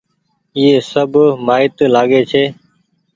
ايئي سب مآئيت لآگي ڇي۔